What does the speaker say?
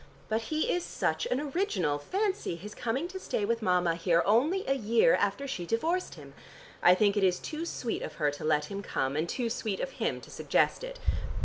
But he is such an original! Fancy his coming to stay with Mama here only a year after she divorced him. I think it is too sweet of her to let him come, and too sweet of him to suggest it.